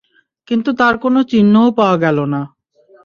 কিন্তু তার কোন চিহ্নও পাওয়া গেল না।